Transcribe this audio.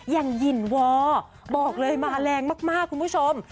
อย่างหินวอร์บอกเลยมาแรงมากคุณผู้ชม